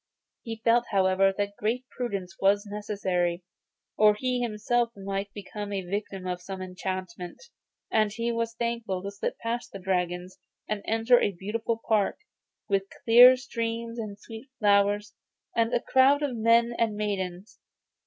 He felt, however, that great prudence was necessary, or he himself might become the victim of some enchantment; and he was thankful to slip past the dragons, and enter a beautiful park, with clear streams and sweet flowers, and a crowd of men and maidens.